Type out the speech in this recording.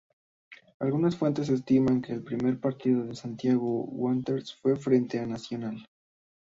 Algunas fuentes estiman que el primer partido de Santiago Wanderers fue frente a National.